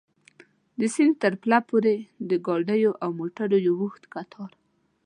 د سیند تر پله پورې د ګاډیو او موټرو یو اوږد کتار.